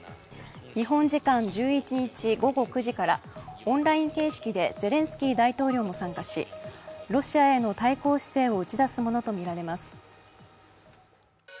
日本時間１１日、午後９時からオンライン形式でゼレンスキー大統領も参加し、ロシアへの対抗姿勢を打ち出すものと見られます。